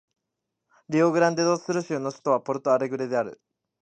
リオグランデ・ド・スル州の州都はポルト・アレグレである